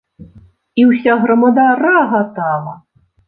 І ўся грамада рагатала.